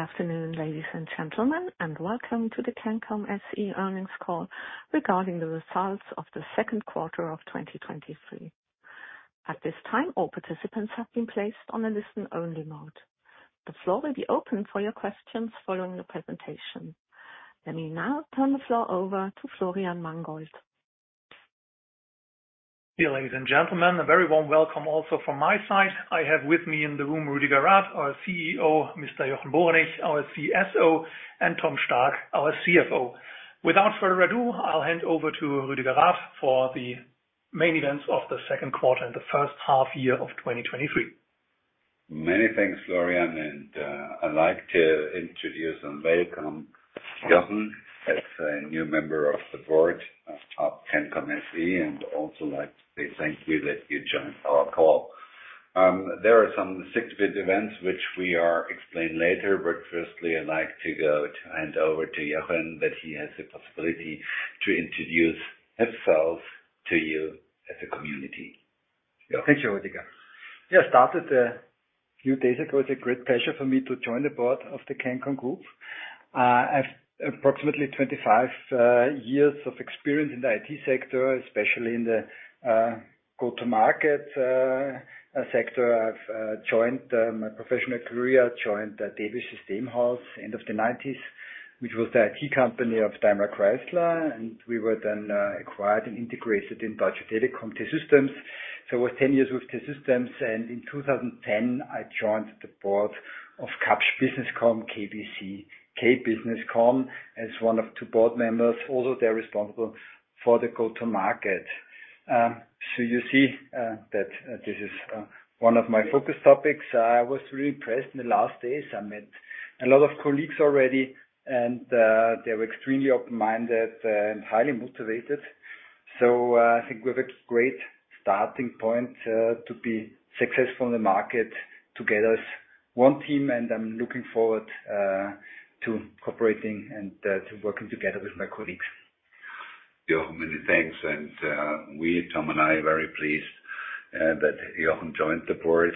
Good afternoon, ladies and gentlemen, and welcome to the CANCOM SE earnings call regarding the results of the second quarter of 2023. At this time, all participants have been placed on a listen-only mode. The floor will be open for your questions following the presentation. Let me now turn the floor over to Florian Mangold. Dear ladies and gentlemen, a very warm welcome also from my side. I have with me in the room, Rüdiger Rath, our CEO, Mr. Jochen Borenich, our CSO, and Thomas Stark, our CFO. Without further ado, I'll hand over to Rüdiger Rath for the main events of the second quarter and the first half year of 2023. Many thanks, Florian, and I'd like to introduce and welcome Jochen as a new member of the board of CANCOM SE, and also like to say thank you that you joined our call. There are some significant events, which we are explain later. Firstly, I'd like to go to hand over to Jochen, that he has the possibility to introduce himself to you as a community. Jochen? Thank you, Rüdiger. Yeah, I started a few days ago. It's a great pleasure for me to join the board of the CANCOM Group. I've approximately 25 years of experience in the IT sector, especially in the go-to-market sector. I've joined my professional career, joined the debis Systemhaus end of the 1990s, which was the IT company of DaimlerChrysler. We were then acquired and integrated in Deutsche Telekom T-Systems. I worked 10 years with T-Systems, and in 2010, I joined the board of Kapsch BusinessCom, KBC. K-Businesscom, as one of two board members, although they're responsible for the go-to-market. You see that this is one of my focus topics. I was really impressed in the last days. I met a lot of colleagues already, and, they're extremely open-minded and highly motivated. I think we have a great starting point to be successful in the market together as one team. I'm looking forward to cooperating and to working together with my colleagues. Jochen, many thanks. We, Tom and I, are very pleased that Jochen Borek joined the board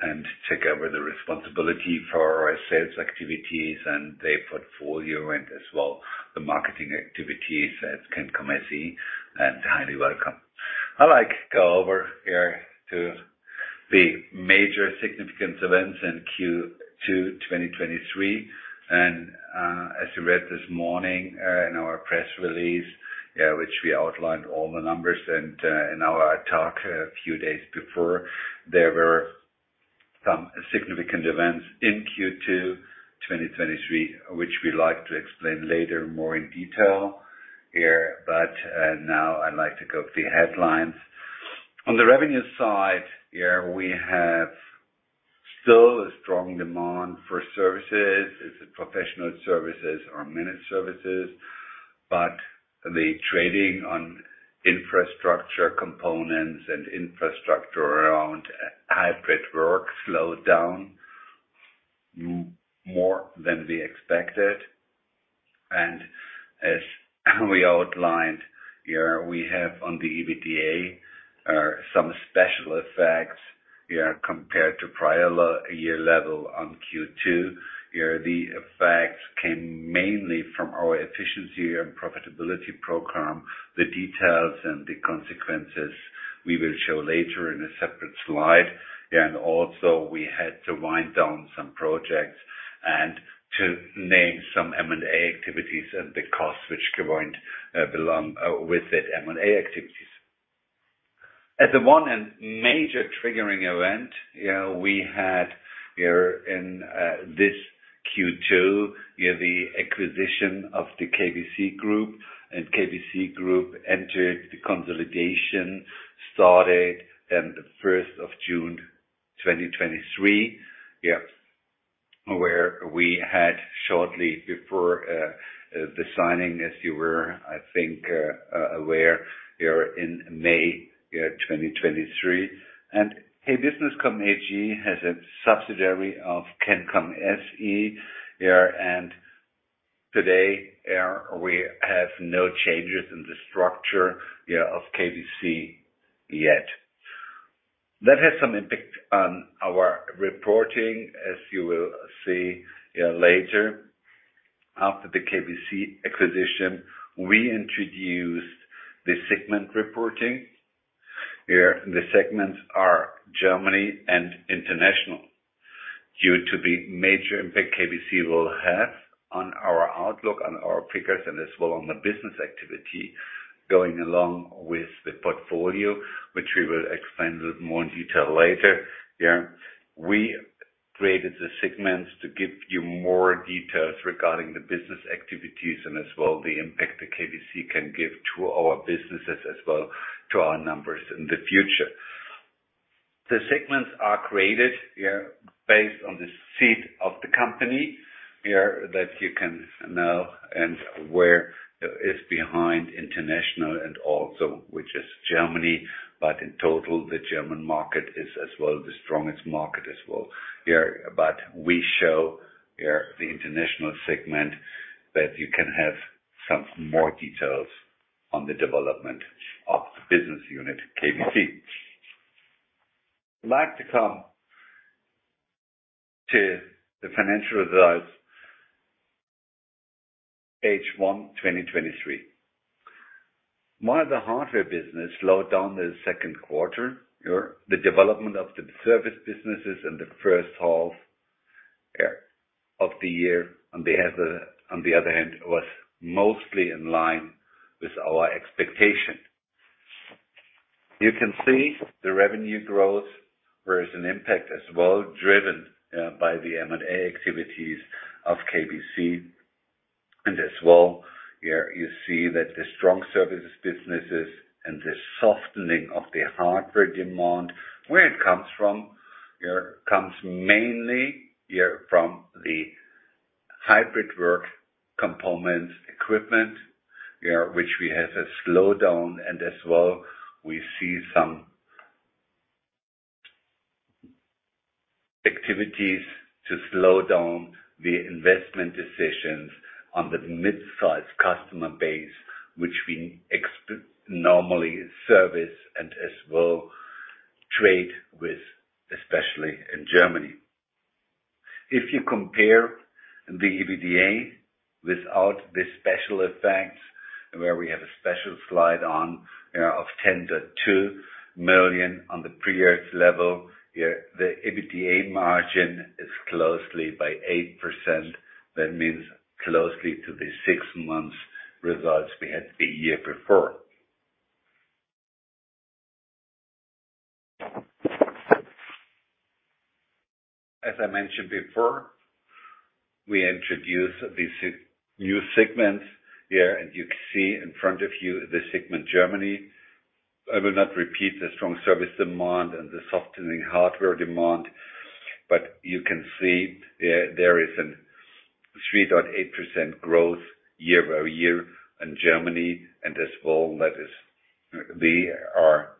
and take over the responsibility for our sales activities and the portfolio, and as well, the marketing activities at CANCOM SE. Highly welcome. I'd like to go over here to the major significant events in Q2, 2023. As you read this morning, in our press release, which we outlined all the numbers and, in our talk a few days before, there were some significant events in Q2, 2023, which we'd like to explain later more in detail here. Now I'd like to go to the headlines. On the revenue side, here we have still a strong demand for services. It's a professional services or managed services, but the trading on infrastructure components and infrastructure around hybrid work slowed down more than we expected. As we outlined, here we have on the EBITDA some special effects compared to prior year level on Q2. Here, the effects came mainly from our efficiency and profitability program. The details and the consequences we will show later in a separate slide. Also, we had to wind down some projects and to name some M&A activities and the costs which going belong with the M&A activities. As a one and major triggering event, you know, we had here in this Q2, the acquisition of the KBC Group, and KBC Group entered the consolidation, started in the 1st of June, 2023. Yeah. Where we had shortly before the signing, as you were, I think, aware, here in May 2023. K-Businesscom AG has a subsidiary of CANCOM SE, yeah, today we have no changes in the structure, yeah, of KBC yet. That has some impact on our reporting, as you will see later. After the KBC acquisition, we introduced the segment reporting. Here, the segments are Germany and International. Due to the major impact KBC will have on our outlook, on our figures, and as well on the business activity, going along with the portfolio, which we will explain in more detail later. Yeah. We created the segments to give you more details regarding the business activities and as well, the impact the KBC can give to our businesses, as well to our numbers in the future. The segments are created, yeah, based on the seat of the company, yeah, that you can know and where is behind international and also, which is Germany. In total, the German market is as well, the strongest market as well. Here, we show, here, the international segment, that you can have some more details on the development of the business unit, KBC. I'd like to come to the financial results, H1 2023. The hardware business slowed down the second quarter, the development of the service businesses in the first half of the year, on the other, on the other hand, was mostly in line with our expectation. You can see the revenue growth. There is an impact as well, driven by the M&A activities of KBC. As well, here, you see that the strong services businesses and the softening of the hardware demand, where it comes from, here, comes mainly, here, from the hybrid work components, equipment, yeah, which we have a slowdown, and as well, we see some activities to slow down the investment decisions on the midsize customer base, which we normally service and as well trade with, especially in Germany. If you compare the EBITDA without the special effects, where we have a special slide on, of 10.2 million on the pre-year level, here, the EBITDA margin is closely by 8%. That means closely to the six months results we had the year before. As I mentioned before, we introduced the new segment here, and you can see in front of you the segment Germany. I will not repeat the strong service demand and the softening hardware demand. You can see there, there is a 3.8% growth year-over-year in Germany, and as well, we are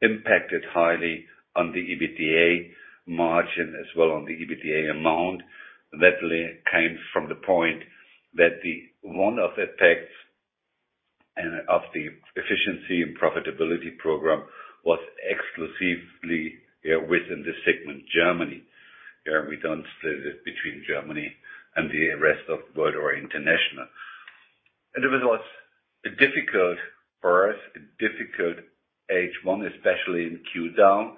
impacted highly on the EBITDA margin as well on the EBITDA amount. That came from the point that the one-off effects and of the efficiency and profitability program was exclusively within the segment, Germany. Here, we don't split it between Germany and the rest of the world or international. It was a difficult for us, a difficult H1, especially in Q down.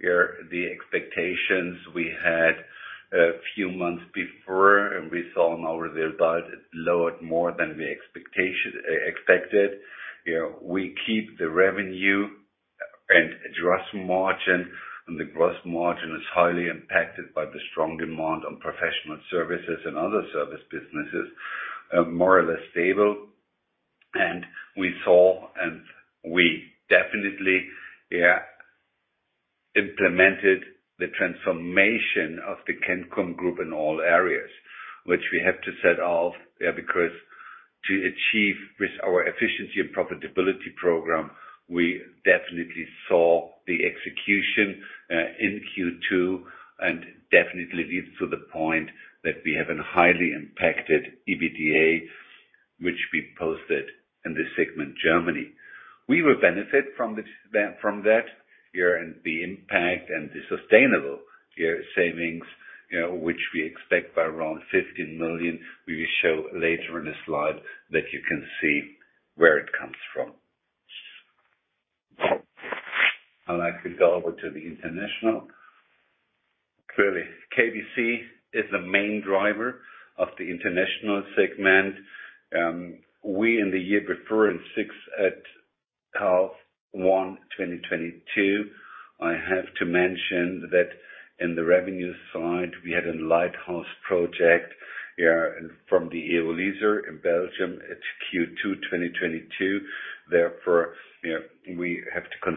Here, the expectations we had a few months before, and we saw now the result, it lowered more than we expected. Here, we keep the revenue and gross margin, and the gross margin is highly impacted by the strong demand on professional services and other service businesses, more or less stable. We saw, and we definitely, yeah, implemented the transformation of the CANCOM Group in all areas, which we have to set off, because to achieve with our efficiency and profitability program, we definitely saw the execution in Q2, and definitely leads to the point that we have a highly impacted EBITDA, which we posted in the segment, Germany. We will benefit from that here, and the impact and the sustainable, yeah, savings, you know, which we expect by around 15 million. We will show later in the slide that you can see where it comes from. I'd like to go over to the international. Clearly, KBC is the main driver of the international segment. We in the year before, in six at half, one, 2022, I have to mention that in the revenue side, we had a lighthouse project here from the Eolease in Belgium, it's Q2 2022. You know, we have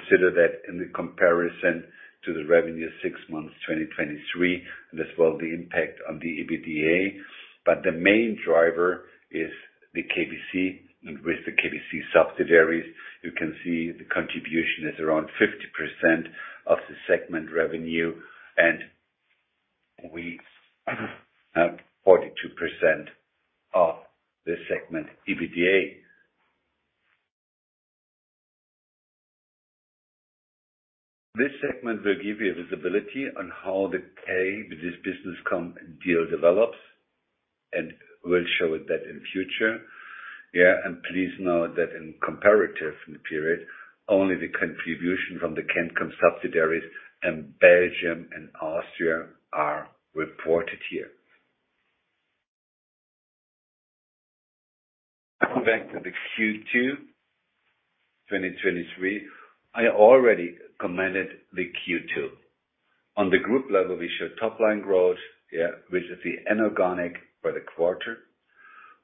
to consider that in the comparison to the revenue 6 months 2023, and as well, the impact on the EBITDA. The main driver is the KBC, and with the KBC subsidiaries, you can see the contribution is around 50% of the segment revenue, and we have 42% of the segment EBITDA. This segment will give you visibility on how the K-Businesscom and deal develops, and we'll show that in future. Please note that in comparative period, only the contribution from the CANCOM subsidiaries in Belgium and Austria are reported here. I come back to the Q2 2023. I already commented the Q2. On the group level, we showed top line growth, yeah, which is the inorganic for the quarter.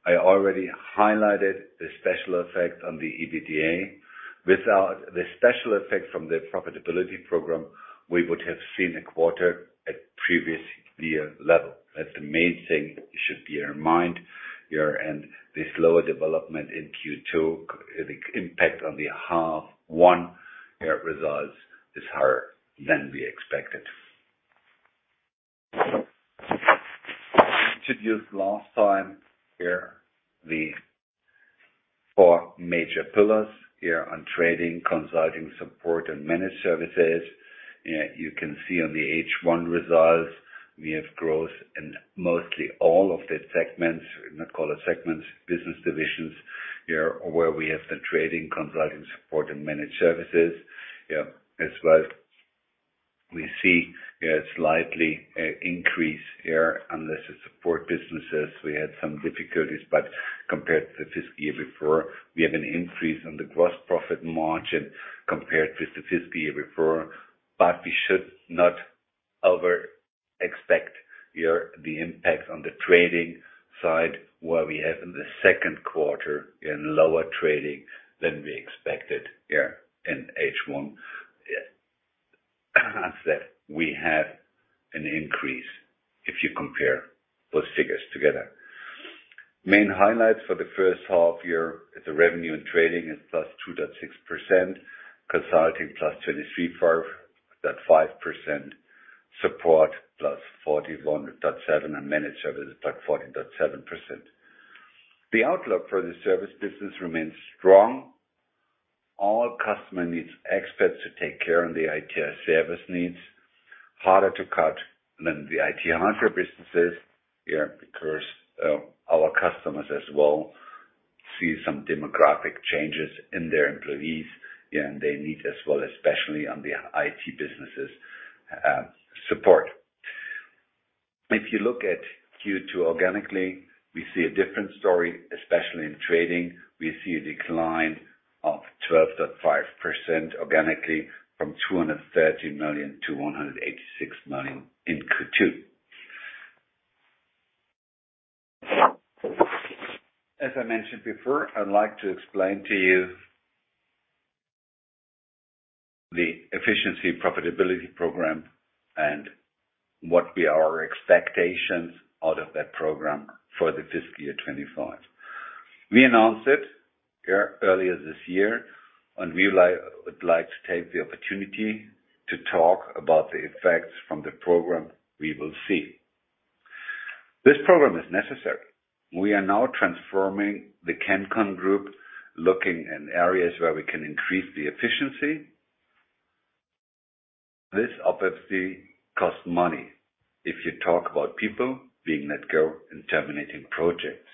I already highlighted the special effect on the EBITDA. Without the special effect from the profitability program, we would have seen a quarter at previous year level. That's the main thing it should be in your mind here. This lower development in Q2, the impact on the half one, yeah, results is higher than we expected.... introduced last time here, the four major pillars here on trading, consulting, support, and managed services. Yeah, you can see on the H1 results, we have growth in mostly all of the segments, not call it segments, business divisions, here, where we have the trading, consulting, support, and managed services. Yeah, as well, we see a slightly increase here on the support businesses. We had some difficulties, compared to the fiscal year before, we have an increase on the gross profit margin compared to the fiscal year before. We should not over expect here the impact on the trading side, where we have in the second quarter in lower trading than we expected here in H1. As that, we have an increase if you compare those figures together. Main highlights for the first half year, the revenue and trading is +2.6%, consulting +23.5%, support +41.7%, and managed services, +14.7%. The outlook for the service business remains strong. All customer needs experts to take care of the IT service needs, harder to cut than the IT hardware businesses here, because our customers as well see some demographic changes in their employees, and they need as well, especially on the IT businesses, support. If you look at Q2 organically, we see a different story, especially in trading. We see a decline of 12.5% organically, from 213 million to 186 million in Q2. As I mentioned before, I'd like to explain to you the efficiency profitability program and what we are our expectations out of that program for the fiscal year 2025. We announced it here earlier this year, and we would like to take the opportunity to talk about the effects from the program we will see. This program is necessary. We are now transforming the CANCOM Group, looking in areas where we can increase the efficiency. This obviously costs money if you talk about people being let go and terminating projects.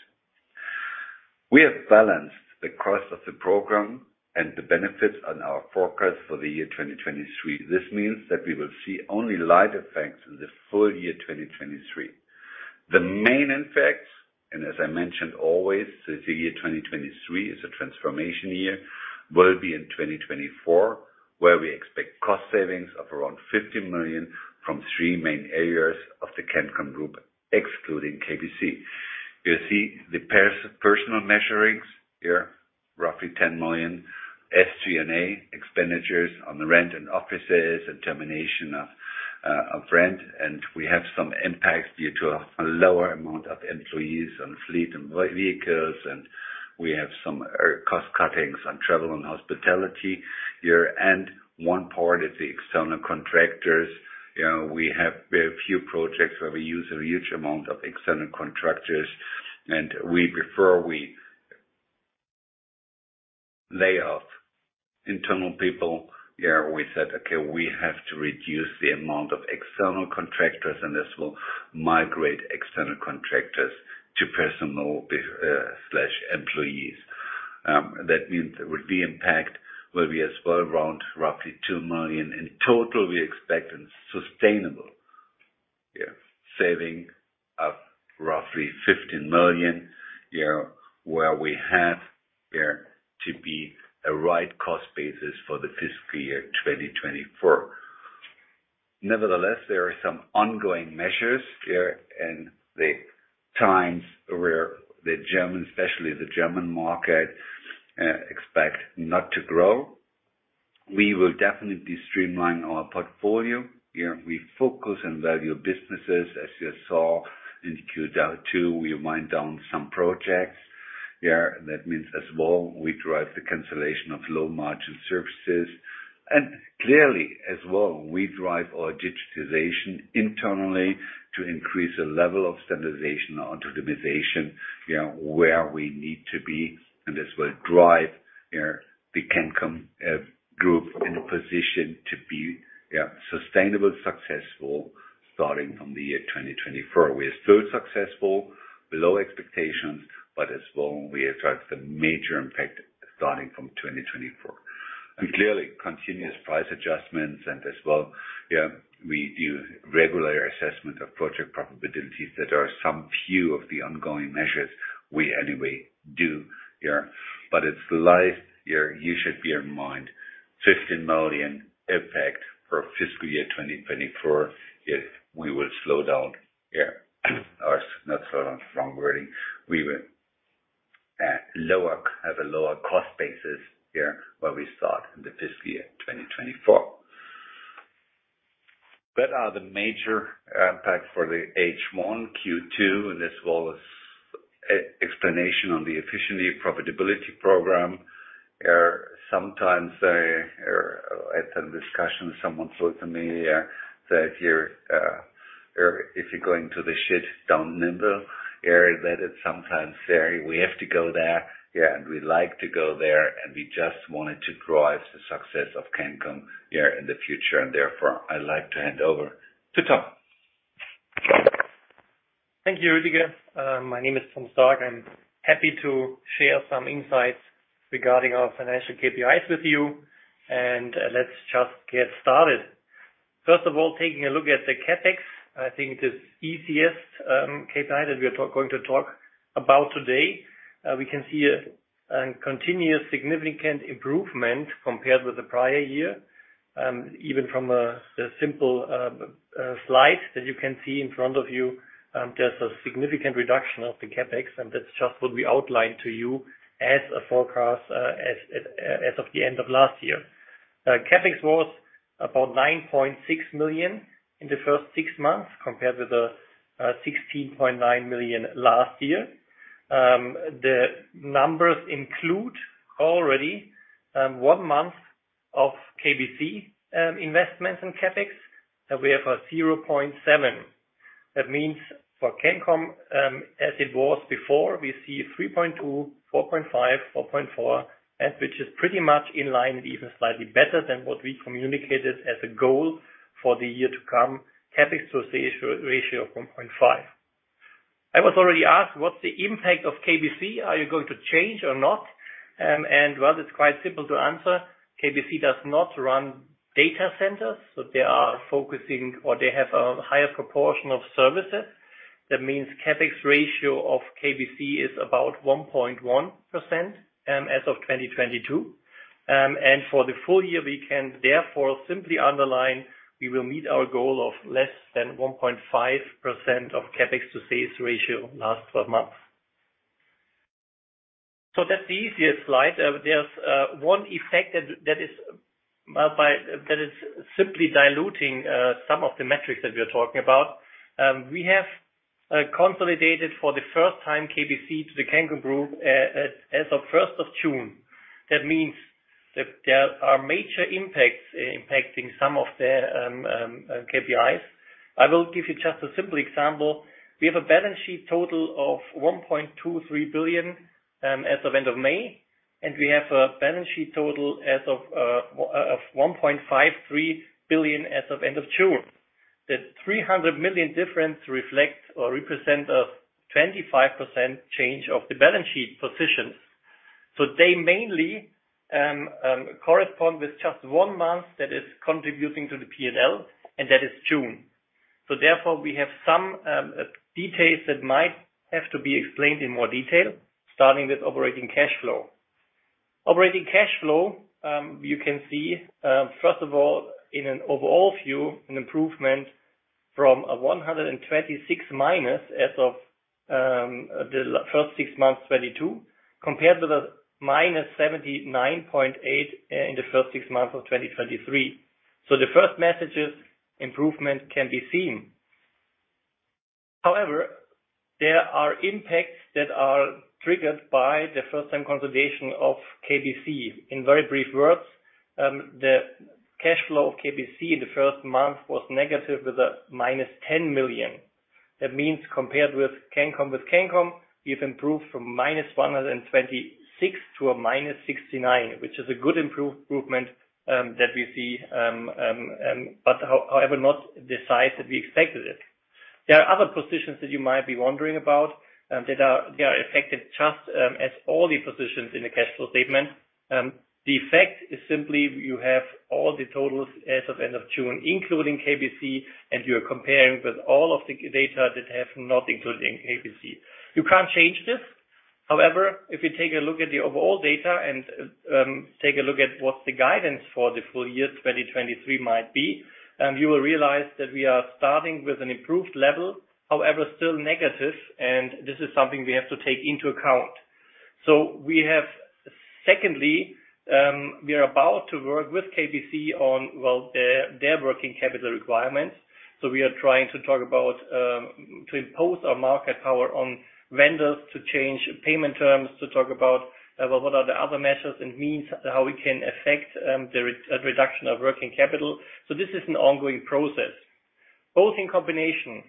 We have balanced the cost of the program and the benefits on our forecast for the year 2023. This means that we will see only light effects in the full year, 2023. The main effects, and as I mentioned, always, the year 2023 is a transformation year, will be in 2024, where we expect cost savings of around 50 million from three main areas of the CANCOM Group, excluding KBC. You see the personal measurings here, roughly 10 million. SG&A, expenditures on the rent and offices and termination of rent, and we have some impacts due to a lower amount of employees on fleet and vehicles, and we have some cost cuttings on travel and hospitality here. One part is the external contractors. You know, we have very few projects where we use a huge amount of external contractors, and we prefer we lay off internal people. We said, "Okay, we have to reduce the amount of external contractors, and this will migrate external contractors to personal be slash employees." That means the impact will be as well, around roughly 2 million. In total, we expect sustainable saving of roughly 15 million, where we have here to be a right cost basis for the fiscal year 2024. Nevertheless, there are some ongoing measures here in the times where the German, especially the German market, expect not to grow. We will definitely streamline our portfolio. Yeah, we focus on value businesses, as you saw in Q2, we wind down some projects. Yeah, that means as well, we drive the cancellation of low-margin services. Clearly, as well, we drive our digitization internally to increase the level of standardization or automization, you know, where we need to be, and this will drive, yeah, the CANCOM Group in a position to be, yeah, sustainable, successful, starting from the year 2024. We are still successful, below expectations, but as well, we attract the major impact starting from 2024. Clearly, continuous price adjustments and as well, yeah, we do regular assessment of project probabilities that are some few of the ongoing measures we anyway do here. It's live here. You should bear in mind, 15 million impact for fiscal year 2024, if we will slow down here. Not slow down, wrong wording. We will lower, have a lower cost basis here, where we start in the fiscal year, 2024. That are the major impact for the H1 Q2, and as well as explanation on the efficiency profitability program. Sometimes I had a discussion, someone said to me, that if you're, or if you're going to the, don't nimble. Area, that is sometimes very, we have to go there. Yeah, and we like to go there, and we just wanted to drive the success of CANCOM, yeah, in the future, and therefore, I'd like to hand over to Tom. Thank you, Rüdiger. My name is Thomas Stark. I'm happy to share some insights regarding our financial KPIs with you, and let's just get started. First of all, taking a look at the CapEx, I think it is easiest KPI that we are going to talk about today. We can see a continuous significant improvement compared with the prior year, even from the simple slide that you can see in front of you, there's a significant reduction of the CapEx, and that's just what we outlined to you as a forecast as of the end of last year. CapEx was about 9.6 million in the first six months, compared with the 16.9 million last year. The numbers include already one month of KBC investments in CapEx, and we have 0.7. That means for CANCOM, as it was before, we see 3.2, 4.5, 4.4, which is pretty much in line and even slightly better than what we communicated as a goal for the year to come, CapEx ratio, ratio of 1.5. I was already asked, "What's the impact of KBC? Are you going to change or not?" Well, it's quite simple to answer. KBC does not run data centers, so they are focusing, or they have a higher proportion of services. That means CapEx ratio of KBC is about 1.1%, as of 2022. For the full year, we can therefore simply underline, we will meet our goal of less than 1.5% of CapEx to sales ratio last 12 months. That's the easiest slide. There's one effect that, that is simply diluting some of the metrics that we are talking about. We have consolidated for the first time, KBC to the CANCOM Group, as of June 1st. That means that there are major impacts impacting some of the KPIs. I will give you just a simple example. We have a balance sheet total of 1.23 billion as of end of May, and we have a balance sheet total as of 1.53 billion as of end of June. The 300 million difference reflect or represent a 25% change of the balance sheet positions. They mainly correspond with just one month that is contributing to the P&L, and that is June. Therefore, we have some details that might have to be explained in more detail, starting with operating cash flow. Operating cash flow, you can see, first of all, in an overall view, an improvement from a -126 as of the first six months, 2022, compared to the -79.8 in the first six months of 2023. The first message is: improvement can be seen. However, there are impacts that are triggered by the first-time consolidation of KBC. In very brief words, the cash flow of KBC in the first month was negative with a -10 million. That means compared with CANCOM, with CANCOM, we've improved from -126 to a -69, which is a good improvement that we see, however, not the size that we expected it. There are other positions that you might be wondering about, that are, they are affected just as all the positions in the cash flow statement. The effect is simply you have all the totals as of end of June, including KBC, and you are comparing with all of the data that have not including KBC. You can't change this. However, if you take a look at the overall data and take a look at what the guidance for the full year 2023 might be, you will realize that we are starting with an improved level, however, still negative, and this is something we have to take into account. We have secondly, we are about to work with KBC on, well, their, their working capital requirements. We are trying to talk about to impose our market power on vendors, to change payment terms, to talk about what are the other measures and means, how we can affect the reduction of working capital. This is an ongoing process. Both in combination,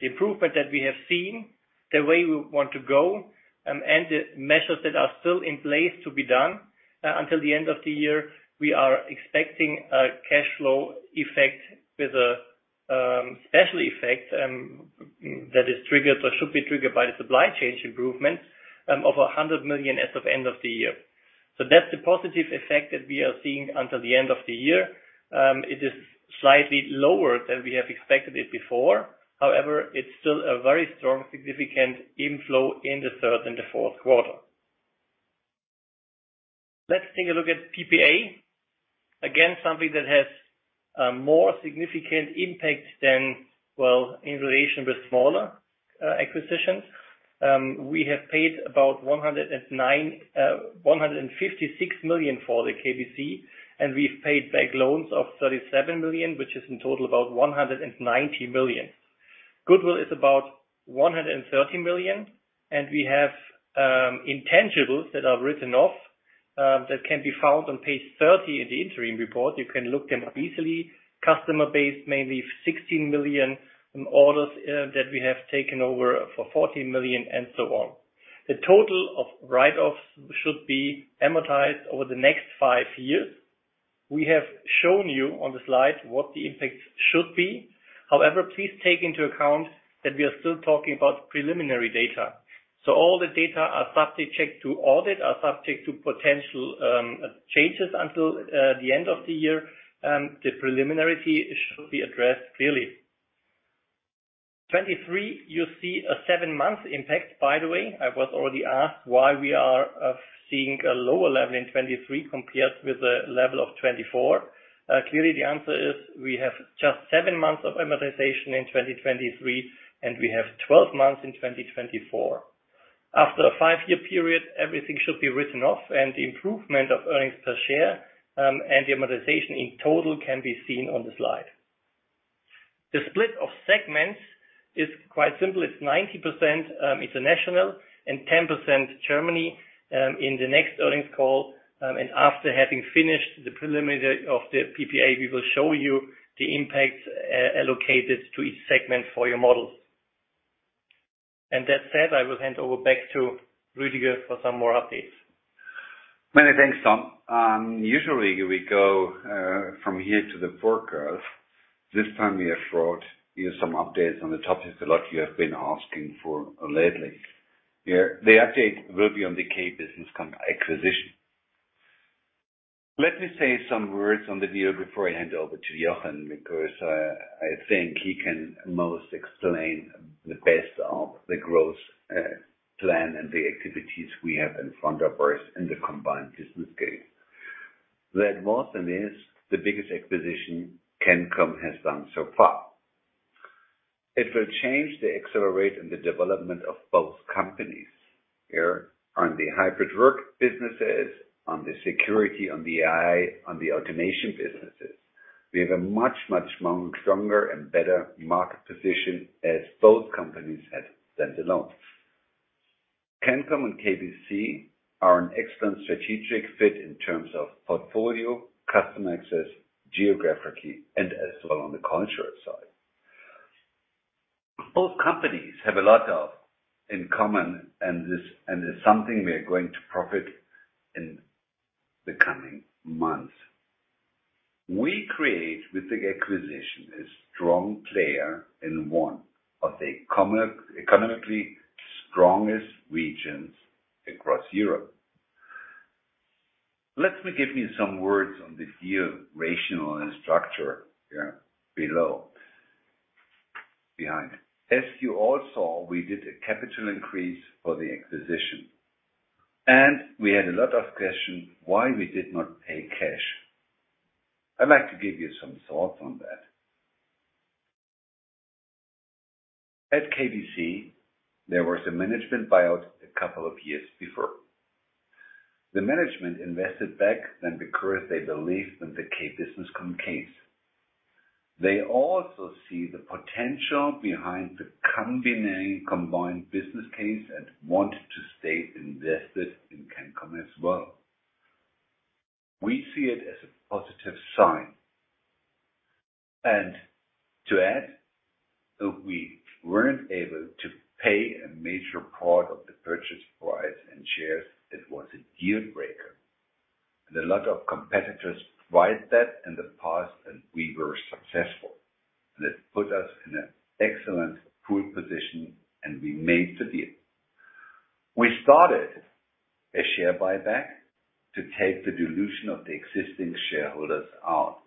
the improvement that we have seen, the way we want to go, and the measures that are still in place to be done until the end of the year, we are expecting a cash flow effect with a special effect that is triggered or should be triggered by the supply chain improvement of 100 million as of end of the year. That's the positive effect that we are seeing until the end of the year. It is slightly lower than we have expected it before. However, it's still a very strong, significant inflow in the third and the fourth quarter. Let's take a look at PPA. Again, something that has more significant impact than, well, in relation with smaller acquisitions. We have paid about 109, 156 million for the KBC, and we've paid back loans of 37 million, which is in total about 190 million. goodwill is about 130 million, and we have intangibles that are written off that can be found on page 30 in the interim report. You can look them up easily. Customer base, mainly 16 million in orders that we have taken over for 14 million, and so on. The total of write-offs should be amortized over the next five years. We have shown you on the slide what the impact should be. However, please take into account that we are still talking about preliminary data. All the data are subject, checked to audit, are subject to potential changes until the end of the year, and the preliminary should be addressed clearly. 2023, you see a seven-month impact. By the way, I was already asked why we are seeing a lower level in 2023 compared with the level of 2024. Clearly, the answer is we have just seven months of amortization in 2023, and we have 12 months in 2024. After a five-year period, everything should be written off, and the improvement of earnings per share and the amortization in total can be seen on the slide. The split of segments is quite simple. It's 90% international and 10% Germany. In the next earnings call, and after having finished the preliminary of the PPA, we will show you the impacts allocated to each segment for your models. That said, I will hand over back to Rüdiger for some more updates. Many thanks, Tom. Usually, we go from here to the forecast. This time we have brought you some updates on the topics a lot you have been asking for lately. Here, the update will be on the K-Businesscom acquisition. Let me say some words on the deal before I hand over to Jochen, because I think he can most explain the best of the growth plan and the activities we have in front of us in the combined business scale. That was and is the biggest acquisition CANCOM has done so far. It will change the accelerate and the development of both companies. Here, on the hybrid work businesses, on the security, on the AI, on the automation businesses. We have a much, much more stronger and better market position as both companies had than alone. CANCOM and KBC are an excellent strategic fit in terms of portfolio, customer access, geographically, and as well on the cultural side. Both companies have a lot of in common, and this, and it's something we are going to profit in the coming months. We create with the acquisition, a strong player in one of the economically strongest regions across Europe. Let me give you some words on the deal, rationale, and structure, yeah, below, behind. As you all saw, we did a capital increase for the acquisition, we had a lot of questions why we did not pay cash. I'd like to give you some thoughts on that. At KBC, there was a management buyout a couple of years before. The management invested back then because they believed in the K-Businesscom case. They also see the potential behind the combined business case and wanted to stay invested in CANCOM as well. We see it as a positive sign, and to add, if we weren't able to pay a major part of the purchase price in shares, it was a deal breaker. A lot of competitors tried that in the past, and we were successful. It put us in an excellent pool position, and we made the deal. We started a share buyback to take the dilution of the existing shareholders out.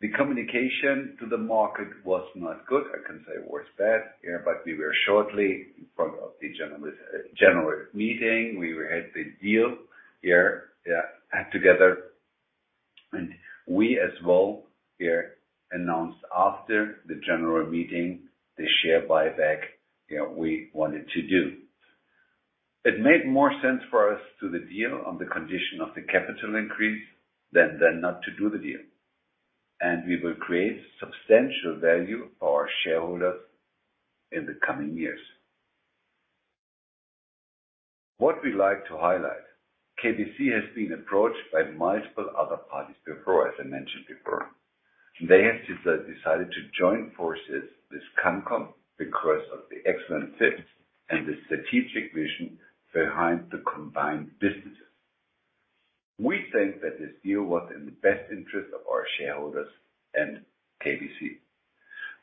The communication to the market was not good. I can say it was bad, yeah, but we were shortly in front of the general meeting. We had the deal here together, and we as well here announced after the general meeting, the share buyback, you know, we wanted to do. It made more sense for us to the deal on the condition of the capital increase than, than not to do the deal. We will create substantial value for our shareholders in the coming years. What we like to highlight, KBC has been approached by multiple other parties before, as I mentioned before, they have decided to join forces with CANCOM because of the excellent fit and the strategic vision behind the combined businesses. We think that this deal was in the best interest of our shareholders and KBC.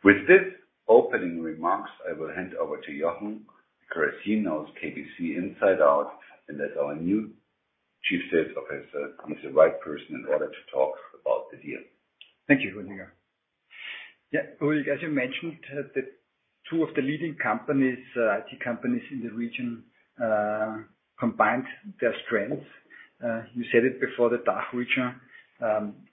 With this opening remarks, I will hand over to Jochen, because he knows KBC inside out, as our new chief sales officer, he's the right person in order to talk about the deal. Thank you, Rüdiger. Yeah, Rüdiger, as you mentioned, the two of the leading companies, IT companies in the region, combined their strengths. You said it before, the DACH region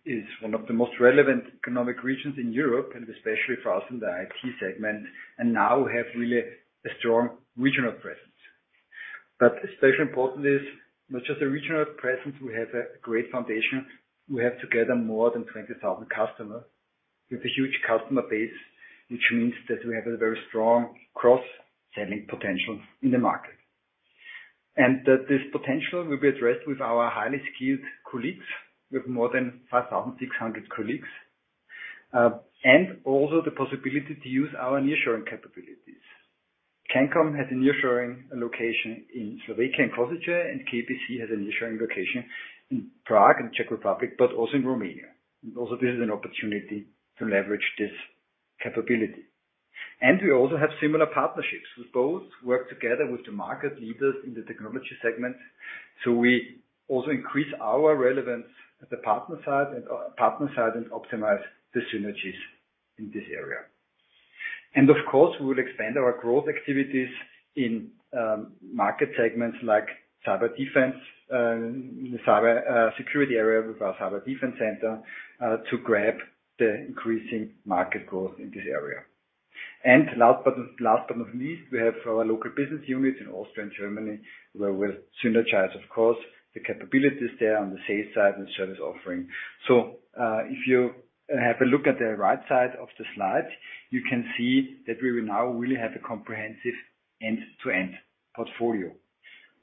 is one of the most relevant economic regions in Europe, and especially for us in the IT segment, and now we have really a strong regional presence. Especially important is not just the regional presence, we have a great foundation. We have together more than 20,000 customers. We have a huge customer base, which means that we have a very strong cross-selling potential in the market. That this potential will be addressed with our highly skilled colleagues, with more than 5,600 colleagues, and also the possibility to use our nearshoring capabilities. CANCOM has a nearshoring location in Slovakia, in Košice, and KBC has a nearshoring location in Prague, in Czech Republic, but also in Romania. Also, this is an opportunity to leverage this capability. We also have similar partnerships, with both work together with the market leaders in the technology segment. We also increase our relevance at the partner side and optimize the synergies in this area. Of course, we will expand our growth activities in market segments like cyber defense, in the cyber security area with our Cyber Defense Center, to grab the increasing market growth in this area. Last but not least, we have our local business units in Austria and Germany, where we'll synergize, of course, the capabilities there on the sales side and service offering. If you have a look at the right side of the slide, you can see that we will now really have a comprehensive end-to-end portfolio.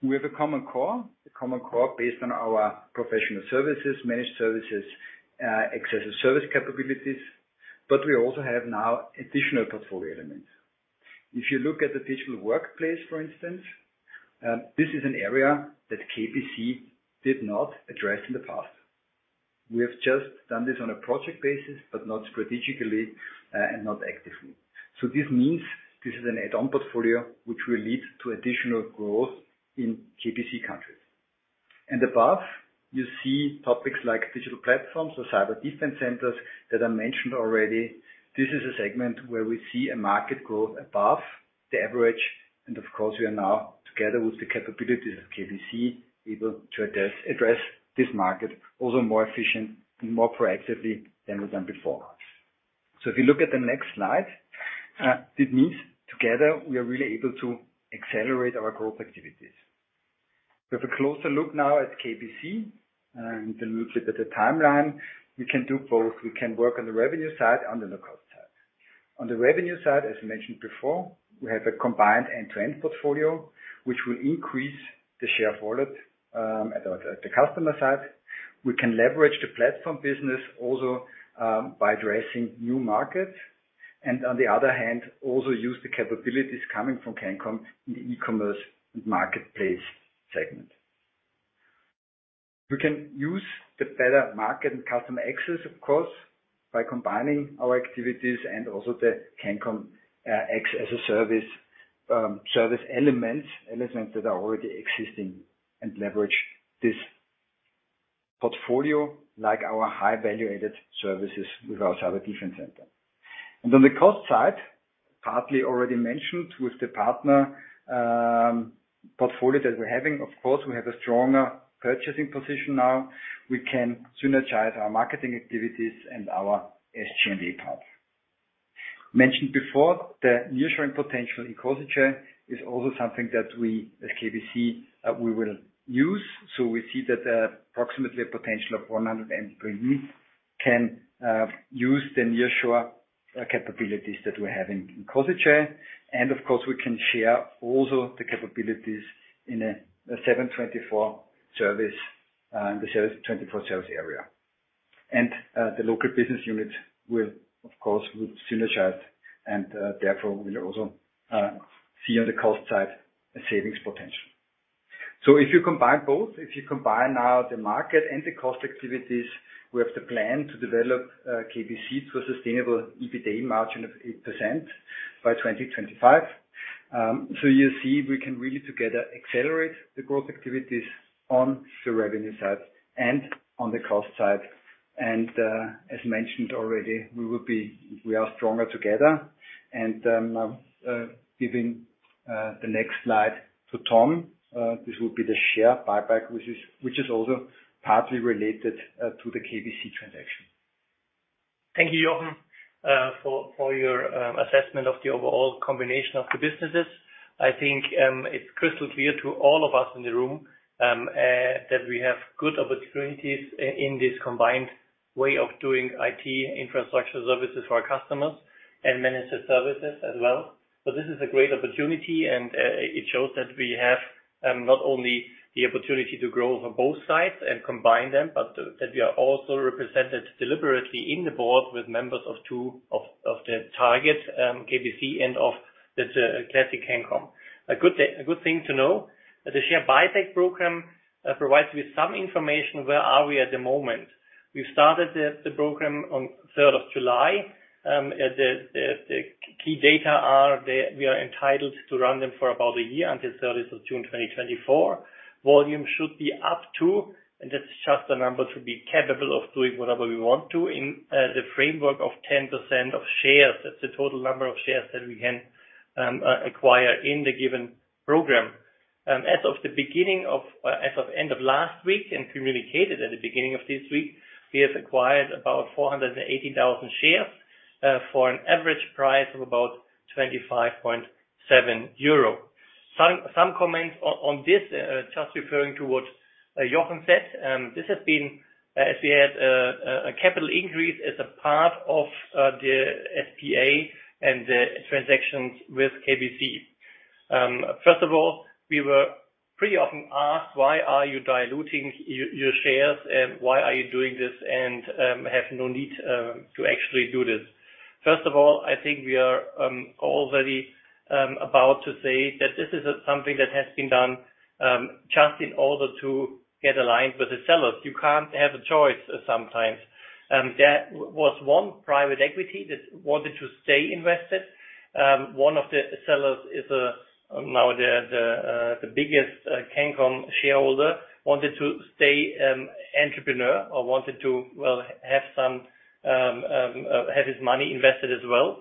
We have a common core, a common core based on our professional services, managed services, X-as-a-Service capabilities, but we also have now additional portfolio elements. If you look at the digital workplace, for instance, this is an area that KBC did not address in the past. We have just done this on a project basis, but not strategically and not actively. This means this is an add-on portfolio, which will lead to additional growth in KBC countries. Above, you see topics like digital platforms or Cyber Defense centers that I mentioned already. This is a segment where we see a market growth above the average. Of course, we are now, together with the capabilities of KBC, able to address this market, also more efficient and more proactively than we've done before. If you look at the next slide, this means together, we are really able to accelerate our growth activities. We have a closer look now at KBC. Then we look at the timeline. We can do both. We can work on the revenue side and on the cost side. On the revenue side, as mentioned before, we have a combined end-to-end portfolio, which will increase the share of wallet at the customer side. We can leverage the platform business also by addressing new markets. On the other hand, also use the capabilities coming from CANCOM in the e-commerce and marketplace segment. We can use the better market and customer access, of course, by combining our activities and also the CANCOM X-as-a-Service service elements, elements that are already existing, and leverage this portfolio, like our high-value added services with our Cyber Defense Center. On the cost side, partly already mentioned, with the partner portfolio that we're having, of course, we have a stronger purchasing position now. We can synergize our marketing activities and our SG&A part. Mentioned before, the nearshoring potential in Košice is also something that we, as KBC, we will use. We see that approximately a potential of 100 employees can use the nearshore capabilities that we have in Košice. Of course, we can share also the capabilities in a 7/24 service area. The local business units will, of course, will synergize, and therefore, we'll also see on the cost side, a savings potential. If you combine both, if you combine now the market and the cost activities, we have the plan to develop KBC to a sustainable EBITDA margin of 8% by 2025. You see, we can really together accelerate the growth activities on the revenue side and on the cost side. As mentioned already, we will be-- we are stronger together. Giving the next slide to Tom, this will be the share buyback, which is, which is also partly related to the KBC transaction. Thank you, Jochen, for, for your assessment of the overall combination of the businesses. I think it's crystal clear to all of us in the room that we have good opportunities in this combined way of doing IT infrastructure services for our customers and managed services as well. This is a great opportunity, and it shows that we have not only the opportunity to grow over both sides and combine them, but that we are also represented deliberately in the board with members of two of, of the targets, KBC and of the classic CANCOM. A good thing to know, the share buyback program provides with some information, where are we at the moment? We started the, the program on third of July. The, the, the key data are there. We are entitled to run them for about a year, until 30th of June 2024. Volume should be up to, and that's just a number, to be capable of doing whatever we want to in the framework of 10% of shares. That's the total number of shares that we can acquire in the given program. As of end of last week, and communicated at the beginning of this week, we have acquired about 480,000 shares for an average price of about 25.7 euro. Some, some comments on, on this, just referring to what Jochen Borek said. This has been, if we had a capital increase as a part of the SPA and the transactions with KBC. First of all, we were pretty often asked: "Why are you diluting your shares, and why are you doing this, and have no need to actually do this?" First of all, I think we are already about to say that this is something that has been done just in order to get aligned with the sellers. You can't have a choice sometimes. There was one private equity that wanted to stay invested. One of the sellers is now the biggest K-Businesscom shareholder, wanted to stay entrepreneur or wanted to, well, have some have his money invested as well.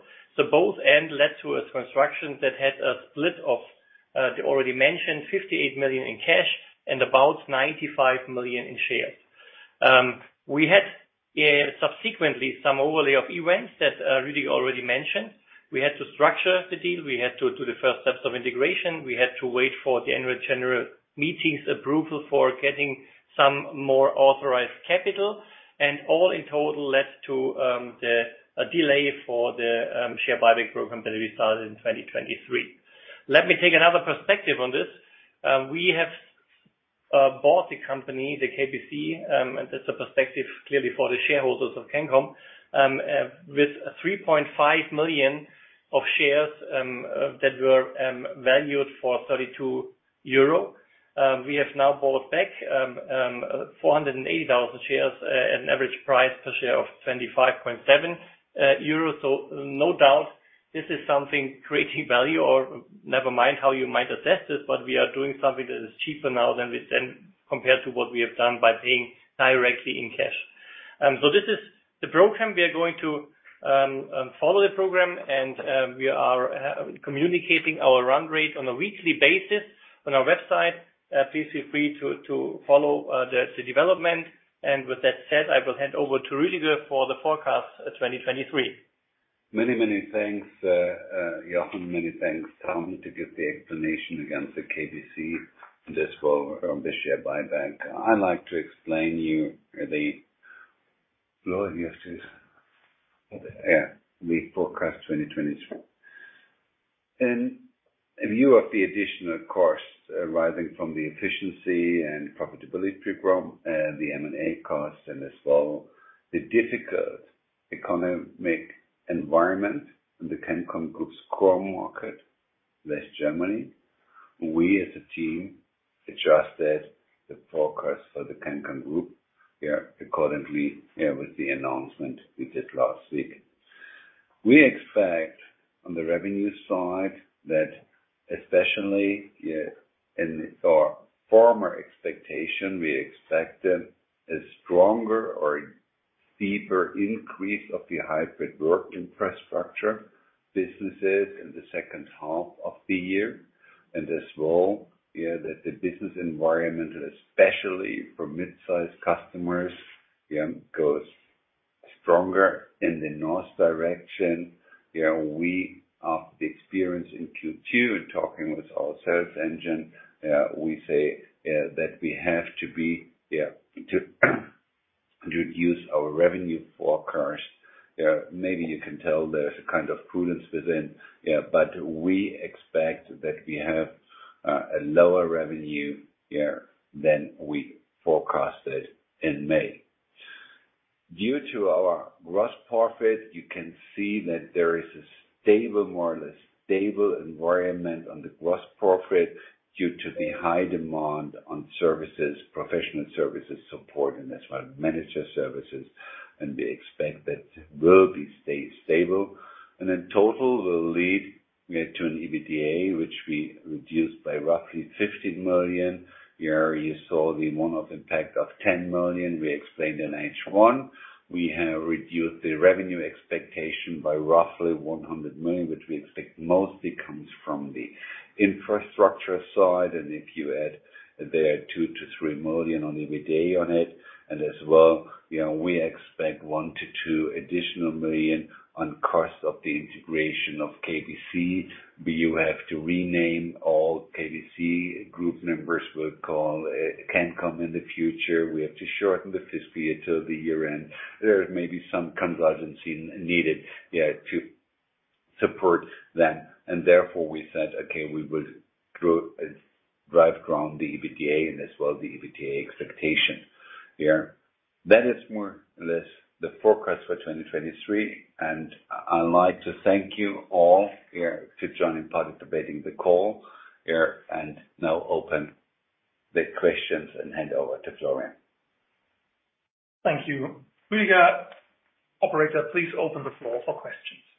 Both end led to a construction that had a split of the already mentioned 58 million in cash and about 95 million in shares. We had subsequently some overlay of events that Rüdiger already mentioned. We had to structure the deal, we had to do the first steps of integration. We had to wait for the annual general meetings approval for getting some more authorized capital, and all in total led to a delay for the share buyback program that we started in 2023. Let me take another perspective on this. We have bought the company, the KBC, and that's a perspective clearly for the shareholders of K-Businesscom, with 3.5 million of shares that were valued for 32 euro. We have now bought back 480,000 shares, an average price per share of 25.7 euros. No doubt, this is something creating value or never mind how you might assess this, but we are doing something that is cheaper now than we then compared to what we have done by paying directly in cash. This is the program. We are going to follow the program, and we are communicating our run rate on a weekly basis on our website. Please feel free to follow the development. With that said, I will hand over to Rüdiger for the forecast, 2023. Many, many thanks, Jochen. Many thanks, Tom, to give the explanation against the KBC and as well on the share buyback. I'd like to explain you, we forecast 2023. In view of the additional costs arising from the efficiency and profitability program and the M&A costs, and as well, the difficult economic environment in the K-Businesscom Group's core market, that's Germany, we as a team, adjusted the forecast for the K-Businesscom Group accordingly with the announcement we did last week. We expect on the revenue side that especially in our former expectation, we expected a stronger or deeper increase of the hybrid work infrastructure businesses in the second half of the year, and as well, that the business environment, especially for mid-sized customers, goes stronger in the north direction. Yeah, we are the experience in Q2 talking with our sales engine, we say, that we have to be, yeah, to reduce our revenue forecast. Maybe you can tell there's a kind of prudence within, yeah, we expect that we have, a lower revenue, yeah, than we forecasted in May. Due to our gross profit, you can see that there is a stable, more or less stable environment on the gross profit due to the high demand on services, Professional Services support, and as well, Managed Services, we expect that will be stay stable. In total, will lead, yeah, to an EBITDA, which we reduced by roughly 15 million. Here, you saw the one-off impact of 10 million we explained in H1. We have reduced the revenue expectation by roughly 100 million, which we expect mostly comes from the infrastructure side. If you add the 2 million-3 million on EBITDA on it, as well, you know, we expect 1 million-2 million additional on cost of the integration of KBC. You have to rename all KBC Group members we call K-Businesscom in the future. We have to shorten the fiscal year till the year end. There may be some contingency needed to support them, and therefore, we said, "Okay, we will drive down the EBITDA and as well, the EBITDA expectation." That is more or less the forecast for 2023, and I'd like to thank you all to joining part of the meeting, the call. Now open the questions and hand over to Florian. Thank you, Rüdiger. Operator, please open the floor for questions.